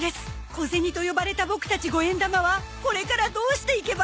小銭と呼ばれたボクたち５円玉はこれからどうしていけば？